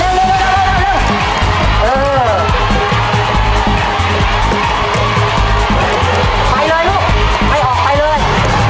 ไหลเลยลูกไม่ออกไหลเลย